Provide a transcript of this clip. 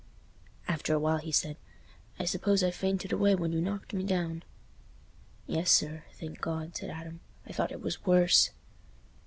After a while he said, "I suppose I fainted away when you knocked me down." "Yes, sir, thank God," said Adam. "I thought it was worse."